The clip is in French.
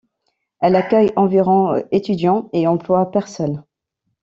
Elle accueille environ étudiants et emploie personnes.